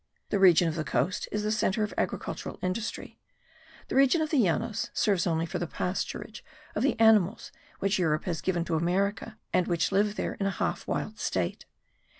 The region of the coast is the centre of agricultural industry; the region of the Llanos serves only for the pasturage of the animals which Europe has given to America and which live there in a half wild state.